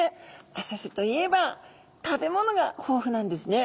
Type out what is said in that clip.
浅瀬といえば食べ物が豊富なんですね。